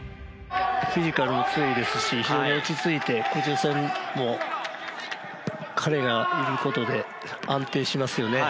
フィジカルも強いですし非常に落ち着いて空中戦も彼がいることで安定しますよね。